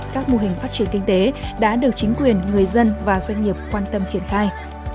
các mô hình phát triển kinh tế đã được chính quyền người dân và doanh nghiệp quan tâm triển khai